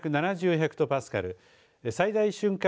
ヘクトパスカル最大瞬間